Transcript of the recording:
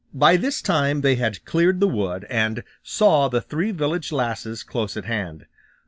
By this time they had cleared the wood, and saw the three village lasses close at hand.